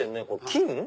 金？